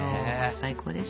最高です。